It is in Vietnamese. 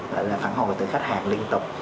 lại là phản hồi từ khách hàng liên tục